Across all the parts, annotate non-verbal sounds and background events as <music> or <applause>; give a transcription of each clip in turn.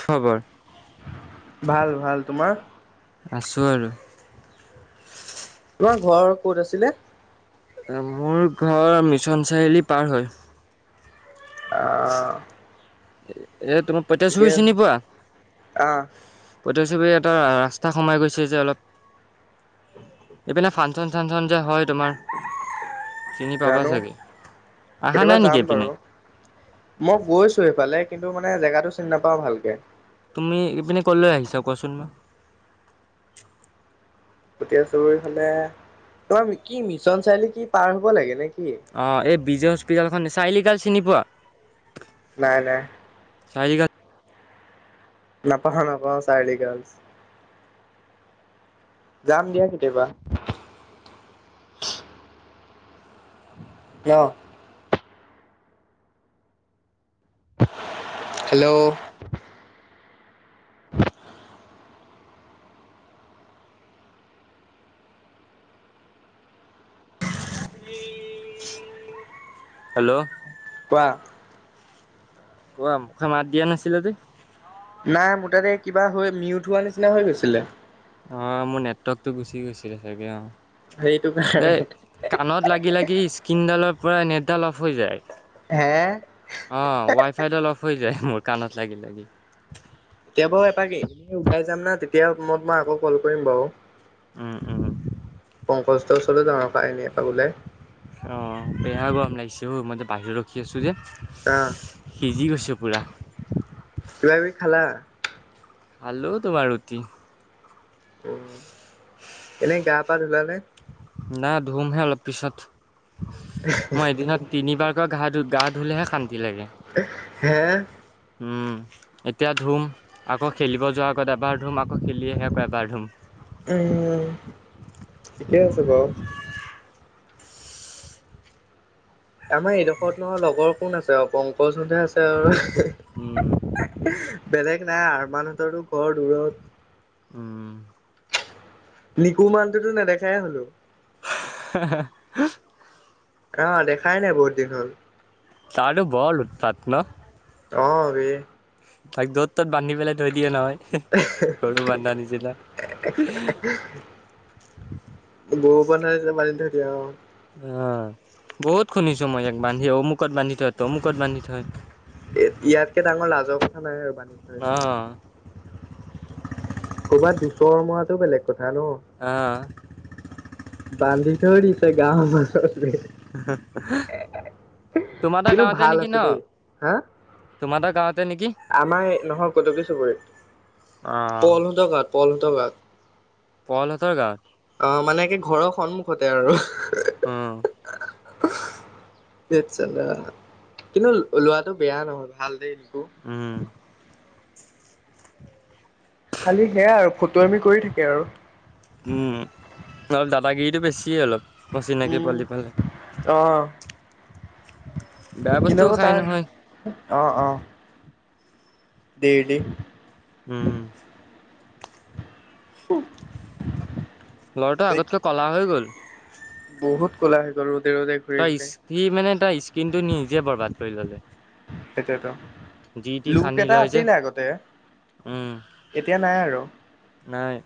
খবৰ? ভাল ভাল, তোমাৰ? আছোঁ আৰু। তোমাৰ ঘৰ ক'ত আছিলে? মোৰ ঘৰ মিছন চাৰিআলি পাৰ হৈ। আহ এতিয়া তোমাৰ, পটীয়াচুবুৰী ঠিকে চিনি পোৱা, আহ পটীয়াচুবুৰী এটা ৰাস্তা সোমাই গৈছে যে অলপ এইপিনে ফাংচন-চাংচন যে হয় তোমাৰ চিনি পাবা জানো, চাগে আহা কেতিয়াবা নাই নেকি যাম এইপিনে বাৰু, মই গৈছোঁ সেইফালে কিন্তু মানে জেগাটো চিনি নাপাওঁ ভালকে। তুমি ইপিনে ক'লৈ আহিছা, কোৱাচোন বাৰু। পটীয়াচুবুৰী ফালে, তোমাৰ কি মিছন চাৰিআলি কি পাৰ হ'ব লাগে নে কি অ', এই বিজয় হস্পিতালখন, চাৰিআলি এটা চিনি পোৱা? নাই, নাই। <unintelligible> নাপাহৰোঁ নাপাহৰোঁ চাৰিআলি গাৰ্লছ যাম দিয়া কেতিয়াবা। ন হেল্ল' হেল্ল' কোৱা কোৱা, মুখে মাত দিয়া নাছিলা যে? নাই, মোৰ তাতে কিবা হৈ মিউত হোৱা নিচিনা হৈ গৈছিলে। অ', মোৰ নেটৱৰ্কটো গুচি গৈছিলে চাগে, সেইটো অ' কাৰণে এ, কাণত লাগি লাগি ইছ কিন ডালৰ পৰা নেটদাল অফ হৈ যায়, হে অ', ৱাইফাইদাল অফ হৈ যায়, মোৰ কাণত লাগি-লাগি। এতিয়া বাৰু এপাক এনেই ওলাই যাম না, তেতিয়া মই তোমাক আকৌ কল কৰিম বাৰু। উম উম। শংকৰ ষ্ট'ৰ ওচৰলে যাওঁ আকৌ এপাক এনেই ওলাই। অ', বেয়া গৰম লাগিছে ঐ, মই যে বাহিৰত ৰখি আছোঁ যে অ' সিজি গৈছোঁ পুৰা। কিবা কিবি খালা? খালোঁ তোমাৰ ৰুটি। উম, এনেই গা-পা ধুলানে? নাই, ধুমহে অলপ পিছত, মই এদিনত তিনিবাৰ গা-গা ধুলেহে শান্তি লাগে, হে উম। এতিয়া ধুম, আকৌ খেলিব যোৱাৰ আগত এবাৰ ধুম, আকৌ খেলি আহি আকৌ এবাৰ ধুম। উম, ঠিকেই আছে বাৰু। আমাৰ এইডোখৰতনো লগৰ কোন আছে আৰু, পংকজহঁতহে আছে উম, আৰু বেলেগ নাই, আৰমানহঁতৰো ঘৰ দূৰত। উম। নিকু মানুহটোতো নেদেখাই হ'লো। <unintelligible> অ', দেখাই নাই বহুত দিন হ'ল। তাৰতো বৰ উৎপাত ন? অ', বেহ তাক য'ত ত'ত বান্ধি পেলাই থৈ দিয়ে নহয়, গৰু বন্ধা নিচিনা। গৰু বন্ধাই যে মানি থাকি অ', অ বহুত শুনিছো মই ইয়াক বান্ধি অমুকত বান্ধি থয় তমুকত বান্ধি থয় এ ইয়াতকে ডাঙৰ লাজৰ কথা নাই আৰু বান্ধি থয় পেলায়। অ'। ক'ৰবাত দুচৰ মৰাটো বেলেগ কথা। ন অহ বান্ধি থৈ দিছে গাঁওৰ মাজত। তোমাৰ ত কিন্তু গাঁৱতে ভাল নেকি আছে ন? দেই হা তোমাৰ তা গাঁৱতে নেকি? পল হতৰ গাওত পল হতৰ গাওত। পল হতৰ গাওত। অ' মানে কি ঘৰৰ সন্মুখতে আৰু। অ। ধেত চালা কিন্তু লৱাটো বেয়া নহয় ভাল দেই। নিকু উম, খালি সেয়া আৰু ফটুৱামি কৰি থাকে আৰু। উম, অলপ দাদাগিৰিতটো বেছিয়ে অলপ অচিনাকি পোৱালি পালে। অঁ', বেয়া বস্তুও খাই নহয়। অ-অ দেই দে উম, লৰাটো আগতকৈ কলা হৈ গ'ল। বহুত ক'লা হৈ গল। ৰ'দে ঘূৰি তই ঘূৰি সি মানে তই স্কিন টো নিজে বৰবাদ কৰি ললে। সেইটোয়েতো, যি টি লুক সানি এটা লয় যে। আছিল আগতে উম, এতিয়া নাই আৰু। নাই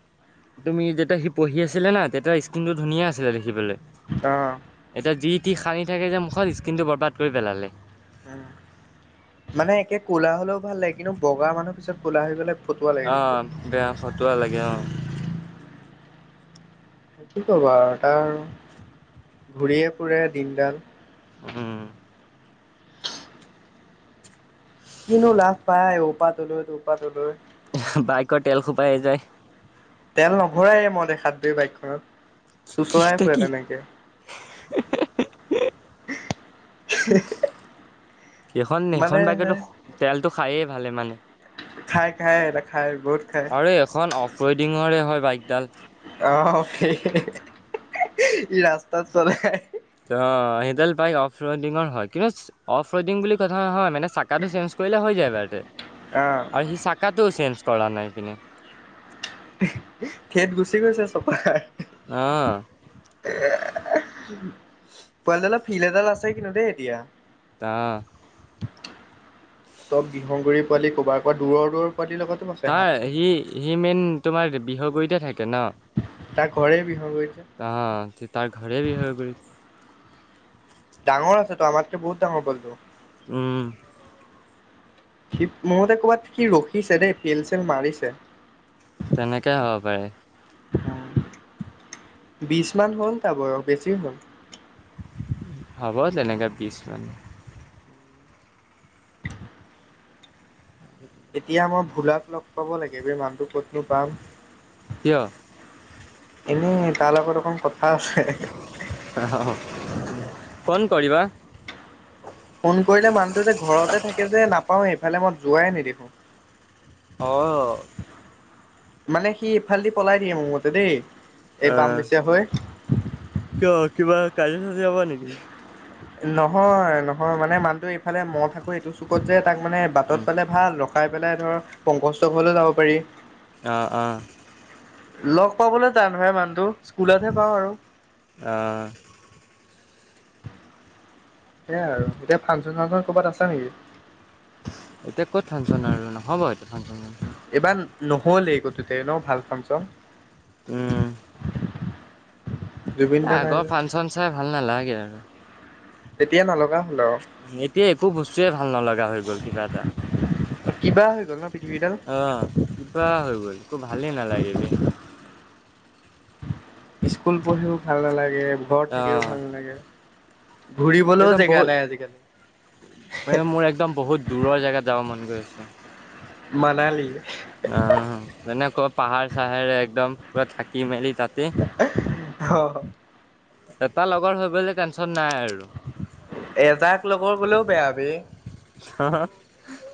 তুমি যেতিয়া সি পঢ়ি আছিলে না, তেতিয়া স্কিনটো ধুনীয়া আছিলে দেখিবলে। অ এতিয়া যি তি সানি থাকে যে মুখত স্কিনটো বৰবাদ কৰি পেলালে। উ মানে একে ক'লা হলেও ভাল লাগে কিন্তু বগা মানুহ পিছত ক'লা হৈ গলে ফটুৱা লাগে অহ, দেখিবলে বেয়া ফটুৱা লাগে অ', কি কবা আৰু তাৰ আৰু ঘূৰিয়ে ফুৰে দিনডাল। উম, কিনো লাভ পায় এইহোপা তলৈ টোৰ পা তলৈ বাইকৰ তেল খোপাহে যায়। তেল নভৰাই মই দেখাত বে বাইকখনত। কি চোঁচৰাই তই ফুৰে কি তেনেকে। সেইখন সেইখন মানে বাইকেতো তেলটো খায়ে ভালে মানে। খাই খাই খাই বহুত খাই আৰে এইখন অফ ৰইডিঙৰে হয় বাইকডাল অহ, ৰাস্তাত চলাই অ সেইডাল বাইক অফ ৰাইডিঙৰ হয় কিন্তু অফ ৰাইডিঙ বুলি কথা নহয় মানে চাকাটো চেঞ্জ কৰিলে হৈ যায় বাৰু। আহ আৰু সি চাকাটোও চেঞ্জ কৰা নাই ইপিনে। ধেত গুচি গৈছে চপা। অহ, এ পোৱালিডালৰ ফিল এডাল আছে কিন্তু দেই এতিয়া। আহ চব বিহনগুৰি পোৱালি কৰবাৰ পৰা দূৰৰ-দূৰৰ, তাৰ সি-সি মেইন তোমাৰ বিহৰবৰিত থাকে। কে ন তাৰ ঘৰে বিহগুৰিতে অ' তাৰ ঘৰে বিহৰবৰিত ডাঙৰ আছে তো আমাৰ কে বহুত ডাঙৰ বলটো। উম, সি, মোৰ মতে ক'বাত সি ৰখিছে দেই পিল চিল মাৰিছে। তেনেকেই হ'ব পাৰে। বিচ মান হ'ল চাগৈ বেছি হ'ল। হ'ব তেনেকে পিছ মানে এতিয়া মই ভোলাক লগ পাব লাগিব। বে মানুহটো ক'তনো পাম। কিয়? এনেই তাৰ লগত অকন কথা আছে। ফোন কৰিবা। ফোন কৰিলে মানুহটো যে ঘৰতে থাকে যে, নাপাওঁ এইফালে মই যোৱাই নিদেখো। অ মানে সি ইফালদি পলাই দিয়ে মোৰ মতে দেই এই অ বাম বেচিযা হয়। কিয় কিবা কাজিয়া চাজীয়া হয় নেকি? নহয়-নহয় মানে মানুতটো এইফালে মনটো এইটো চুকত যে। তাক মানে বাটত উম পালে ভাল। ৰখাই পেলাই ধৰ পংকচ ঘললৈ যাব পাৰি। অ-অ। লগ পাবলৈ টান নহয় মানুহটো স্কুলতহে পাওঁ আৰু। আহ সেইয়াই আৰু এতিয়া ফাংচন চাংচন কৰ'বাত আছে নেকি, <unintelligible> এতিয়া ক'ত ফাংচন আৰু ন হ'ব এতিয়া ফাংচন চানচন এইবাৰ কিয় উম জুবিন এ দা নাই আগৰ যে ফাংচন চাই ভাল নালাগে আৰু, তেতিয়া নলগা হ'ল এতিয়া একো বস্তুৱে ভাল নলগা হৈ গ'ল, কিবা এটা আৰু কিবা হৈ গ'ল ন পৃথিৱীডাল অ কিবা হৈ গ'ল একো ভালেই নালাগে বে স্কুল পঢ়িও ভাল নালাগে, ঘৰত থাকিও অ', ভাল নালাগে। ঘূৰিবলৈও একদম জেগা বহুত নাই আজিকালি। মানে মোৰ একদম বহুত দূৰৰ জেগাত যাব মন গৈ আছে। মনালি। আহ তেনেক পাহাৰ চাহাৰ একদম পুৰা থাকি মেলি তাতে। অ। এটা লগৰ হৈ গলে টেনচন নাই আৰু। বৰ বোলো বেয়া বে। হা হা <inaudible>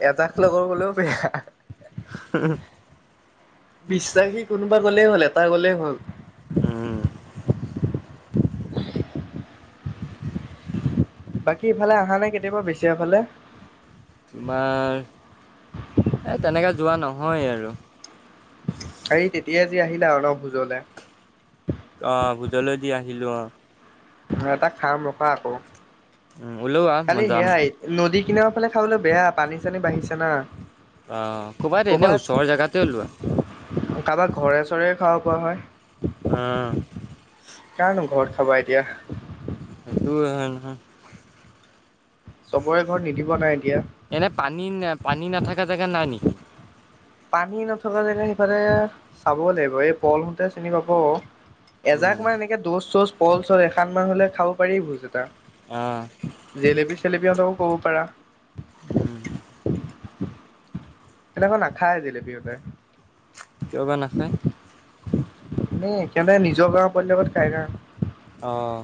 এজাক লগৰ গলেও বিশ্বাসী কোন বা, গ'লেই হ'ল এটা গলেই হ'ল। উম। বাকী এইফালে আহানে কেতিয়াবা? বেছেৰীয়া ফালে? তোমাৰ, এই তেনেকৈ যোৱা নহয় আৰু। হেই তেতিয়াই আ যে আহিলা অলপ ভুজলে অ' ভোজলৈ দি আহিলোঁ অহ, এটা খাম ৰখা আকৌ উম, ওলোৱা মই কালি যাম সেয়াই নদী, কিন ফালে খাবলৈ বেয়া পানী চানী বাঢ়িছে না। অ', ক'বাত এনেই ওচৰৰ জেগাতে ওলোৱা। কাৰবাৰ ঘৰে, চৰে খাব পৰা হয়। উম, কাৰনো ঘৰত খাবা এতিয়া? <unintelligible> চবৰে ঘৰত নিদিব নাই এতিয়া এনে পানী-পানী নাথাকা জেগা নাই নিকি? পানী নথকা যেকে সিফালে চাব লাগিব, এই পল হতে চিনি পাব। এজাক উম, মান এনেকে দচ চচ পল চল এখান মান হলে খাব পাৰি ভোজ এটা। অ', খলেপিহঁতকো ক'ব পাৰা। উম, সিহটে নাখায় জিলেপি হতে। কিয়বা নাখায়? এ, কেনে নিজৰ গাওঁৰ পোৱালী লগত কাজিয়া অ',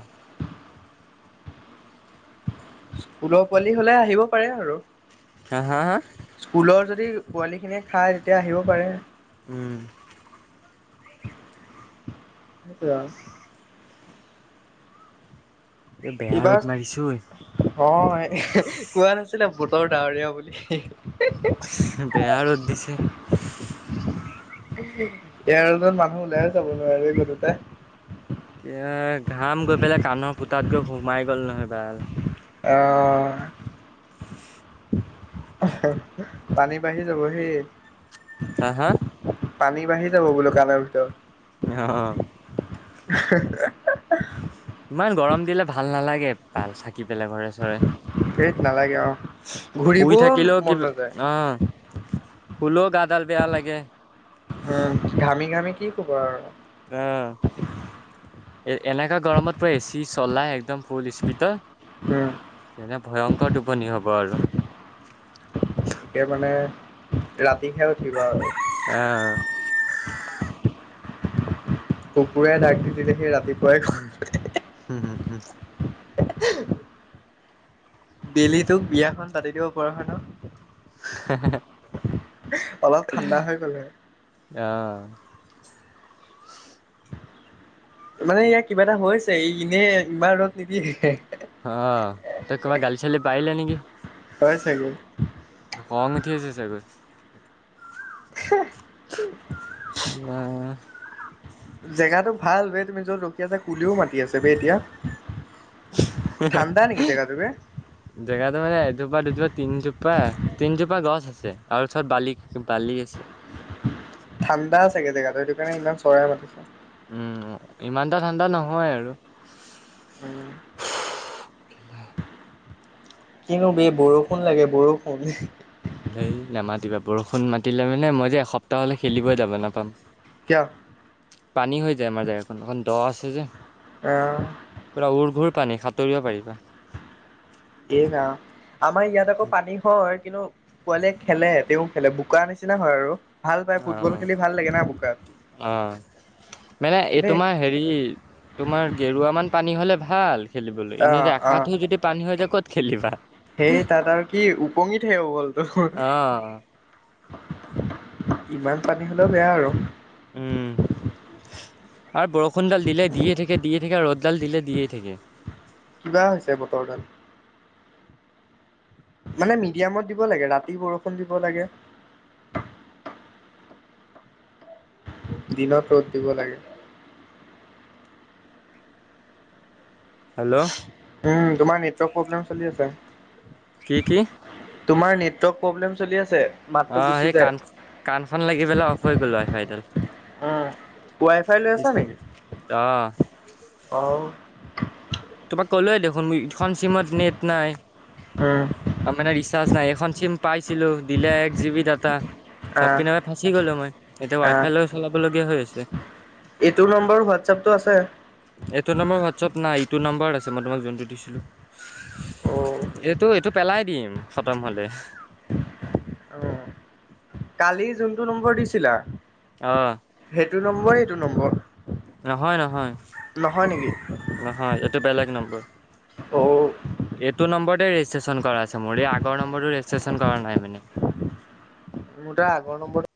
স্কুলৰ পোৱালি হলে আহিব পাৰে আৰু। হা হা হা স্কুলৰ যদি পোৱালি খিনিয়ে খায় তেতিয়া আহিব পাৰে। উম, সেইটোৱে আৰু। এই বেয়া ৰ'দ কিবা মাৰিছে ঐ। অ', কোৱা নাছিলে বুটৰ ডাৱৰীয়া বুলি। বেয়া ৰ'দ দিছে। <unintelligible> মানুহ ওলাইও যাব নোৱাৰি <unintelligible> এ, ঘাম গৈ পেলাই কাণৰ ফুতাত গৈ সোমাই গ'ল নহয়। <unintelligible> অ', পানী বাঢ়ি যাব হে। হা হা। পানী বাঢ়ি যাব বোলো কাণৰ ভিতৰত। অ', <inaudible> ইমান গৰম দিলে ভাল নালাগে <unintelligible> থাকি পেলাই ঘৰে চৰে। হেত নালাগে আও শুই ঘূৰিবও থাকিলেও মন কিবা নাযায়। অ, শুলেও গাডাল বেয়া লাগে। উম, ঘামি ঘামি কি শুবা আৰু। অ', এ এনেকা গৰমত পৰা এচি চলাই একদম ফুল স্পীত উম যেনে ভয়ংকৰ টোপনি হ'ব আৰু। সে মানে ৰাতি খাই উঠিবা আৰু। <inaudible> কুকুৰেই ডাক দি দিলে সি ৰাতিপুৱাই হুম হুম হুম। <inaudible> বেলি তোক বিয়াখন পাতি দিব পৰা হয় ন? <unintelligible> অলপ ঠাণ্ডা হৈ গ'ল হৈ। অ', মানে ইয়াৰ কিবা এটা হৈছে ই এনে ইমান ৰদ নিদিয়ে। অ', তই <unintelligible> গালি চালি পাৰিলে নেকি? হয় চাগে খং উঠি আছে চাগৈ। <inaudible> <unintelligible> জেগাতটো ভাল বে তুমি যত ৰখি আছা কুলিও মাতি আছে বে এতিয়া। ঠাণ্ডা নেকি যেগাতো বে? জেগাটো মানে এজোপা দুজোপা তিনজোপা তিনজোপা গছ আছে। আছে আৰু ওচৰত বালি বালি আছে। ঠাণ্ডা চাগে জেগাটো সেইটো কাৰণে ইমান চৰাই মাতিছে। উম ইমানটা ঠাণ্ডা নহয় আৰু উম কিনো ব বৰষুণ লাগে বৰষুণ হেই নামাতিবা বৰষুণ মাতিলে মানে মই যে এসপ্তাহলে খেলিবই যাব নাপাম কিয়। পানী হৈ যায় আমাৰ জেগাকন অকন দ আছে যে। আহ পুৰা উৰ ঘুৰ পানী সাঁতুৰিব পাৰিবা এ হা আমাৰ ইয়াত আকৌ পানী হয় কিন্তু পোৱালীয়ে খেলে তেওঁ খেলে বোকা নিচিনা হয় আৰু ভাল পায় ফুটবল খেলি ভাল লাগে না বোকাত আহ মানে এই কিন্তু তোমাৰ হেৰি তোমাৰ গেৰুৱা মান পানী হ'লে ভাল খেলিবলৈ এনে অ', যে অ', আশা ো যদি পানী হৈ যায় ক'ত খেলিবা সেই তাত আৰু কি উপঙিত হে হ বলত অ', <unintelligible> ইমান পানী হ'লেও বেয়া আৰু। উম আৰু বৰষুণডাল দিলে দিয়ে থাকে দিয়ে থাকে ৰ'দ ডাল দিল দিয়েই থাকে কিবা হৈছে বতৰডাল মানে মিডিয়ামত দিব লাগে ৰাতি বৰষুণ দিব লাগে দিনত ৰ'দ দিব লাগে হেল্ল' উম, তোমাৰ নেটৱৰ্ক প্ৰব্লেম চলি আছে। কি কি তোমাৰ নেটৱৰ্ক প্ৰব্লেম চলি আছে মাতটো অ গুচি সেই যায় কাণ কাণখন লাগি পেলাই অফ হৈ গ'লো হয় ফাইডাল উম, ৱাই ফাই আহ আহ ন ন উম, নাই এখন চিম পাইছিলো দিলে এক জি বি ডাটা চব আহ পিনে ফাঁচি গ'লো মই এতিয়া ৱাই আহ ফাই লৈ চলাব লগীয়া হৈ আছে। এইটো নম্বৰ হোৱাটছএপতটো আছে এইটো নম্বৰ হোৱাটছআপ নাই ইটো নাম্বাৰত আছে মই তোমাক যোনটো দিছিলো। অ', এইটো এইটো পেলাই দিম খতম হলে অ কালি যোনটো নম্বৰ দিছিলা অঁ সেইটো নম্বৰ এইটো নম্বৰ নহয় নহয় নহয় নেকি? নহয় এইটো বেলেগ নম্বৰ অ'। এইটো নম্বৰতে ৰেজিষ্ট্ৰচন কৰা আছে মোৰ এই আগৰ নম্বৰ ৰেজিষ্ট্ৰন কৰা নাই মানে <unintelligible> মোৰটা আগৰ নম্বৰ